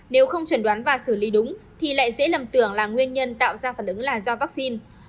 nếu không trần đoán và xử lý đúng thì lại dễ lầm tưởng là nguyên nhân tạo ra phản ứng là do vaccine